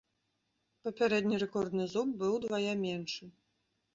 Папярэдні рэкордны зуб быў удвая меншы.